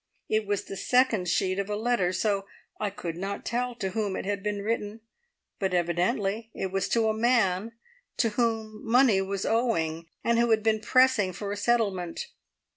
It was the second sheet of a letter, so I could not tell to whom it had been written; but evidently it was to a man to whom money was owing, and who had been pressing for a settlement.